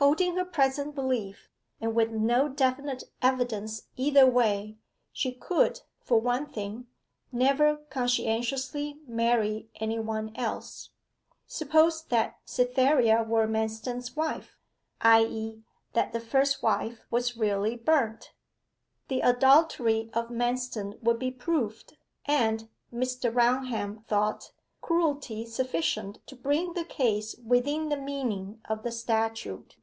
Holding her present belief, and with no definite evidence either way, she could, for one thing, never conscientiously marry any one else. Suppose that Cytherea were Manston's wife i.e., that the first wife was really burnt? The adultery of Manston would be proved, and, Mr. Raunham thought, cruelty sufficient to bring the case within the meaning of the statute.